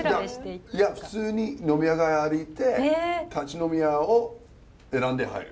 普通に飲み屋街歩いて立ち飲み屋を選んで入る。